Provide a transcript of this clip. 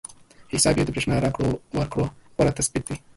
حساب پې د برېښنايي راکړو ورکړو غوره تشبث دی.